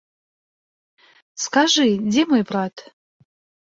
Скажы, дзе мой брат?